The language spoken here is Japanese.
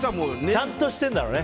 ちゃんとしてるんだろうね。